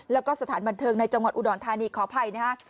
แล้วก็สถานบันเทิงในจังหวัดอุดรธานีขออภัยนะฮะ